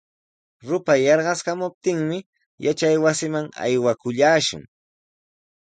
Rupay yarqaskamuptinmi yachaywasiman aywakullaashun.